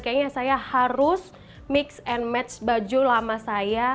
kayaknya saya harus mix and match baju lama saya